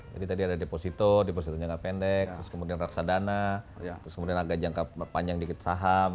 jadi tadi ada deposito deposito jangka pendek kemudian reksadana kemudian agak jangka panjang dikit saham